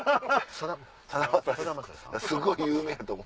すごい有名やと思って。